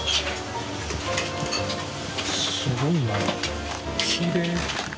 すごいなきれい。